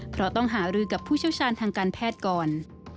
เพราะต้องหารือกับผู้เชี่ยวชาญทางการแพทย์ก่อน